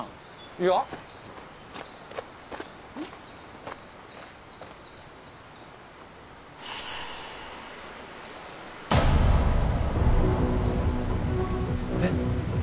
いや。えっ。